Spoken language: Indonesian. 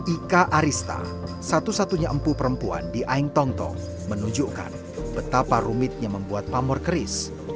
ika arista satu satunya empu perempuan di aingtongtong menunjukkan betapa rumitnya membuat pamor keris